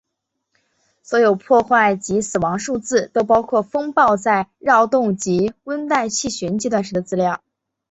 所有破坏及死亡数字都包括风暴在扰动及温带气旋阶段时的资料。